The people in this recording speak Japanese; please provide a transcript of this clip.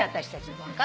私たち。